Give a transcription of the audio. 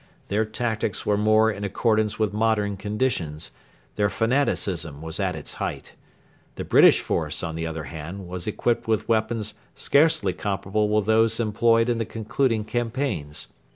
Their tactics were more in accordance with modern conditions: their fanaticism was at its height. The British force, on the other hand, was equipped with weapons scarcely comparable with those employed in the concluding campaigns.